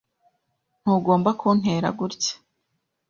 Ntugomba kuntera gutya.